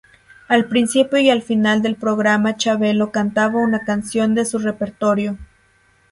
Al principio y al final del programa Chabelo cantaba una canción de su repertorio.